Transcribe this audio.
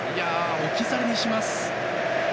置き去りにします。